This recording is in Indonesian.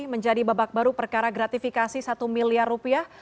menjadi babak baru perkara gratifikasi satu miliar rupiah